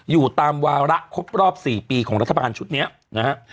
อยู่ตามวาระครบรอบ๔ปีของรัฐบาลชุดนี้นะฮะ